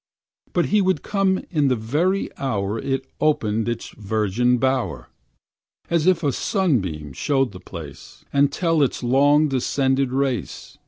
But he would come in the very hour It opened in its virgin bower, As if a sunbeam showed the place, And tell its long descended race.